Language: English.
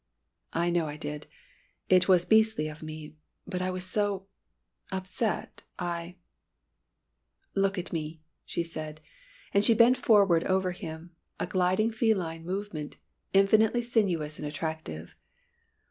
"I know I did it was beastly of me but I was so upset I " "Look at me," she said, and she bent forward over him a gliding feline movement infinitely sinuous and attractive.